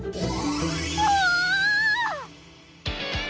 うわ！